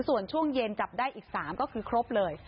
ส่วนช่วงเย็นจับได้อีก๓ก็คือครบเลย